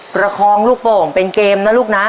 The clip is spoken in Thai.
ประคองลูกโป่งเป็นเกมนะลูกนะ